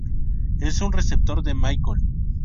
Es un receptor de Michael.